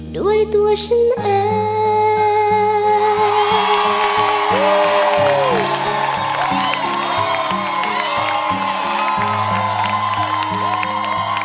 ด้วยตัวฉันเอง